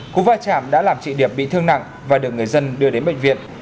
cú va chạm đã làm chị điệp bị thương nặng và được người dân đưa đến bệnh viện